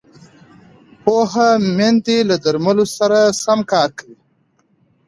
پوهه میندې له درملو سم کار اخلي۔